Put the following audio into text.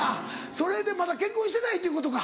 それでまだ結婚してないっていうことか。